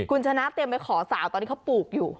คุณชนะเตรียมไปขอสาวตอนนี้เขาปลูกอยู่